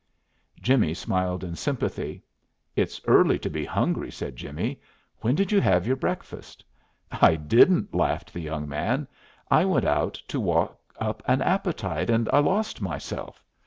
Jimmie smiled in sympathy. "It's early to be hungry," said Jimmie; "when did you have your breakfast?" "I didn't," laughed the young man. "I went out to walk up an appetite, and I lost myself.